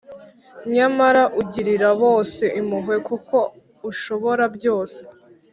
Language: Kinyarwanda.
Nyamara ugirira bose impuhwe kuko ushobora byose,